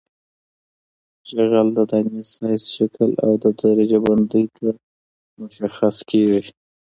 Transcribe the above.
جغل د دانې سایز شکل او درجه بندۍ ته مشخص کیږي